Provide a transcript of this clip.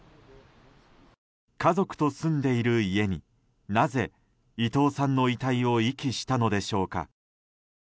家族と住んでいる家になぜ伊藤さんの遺体を遺棄したのでしょうか。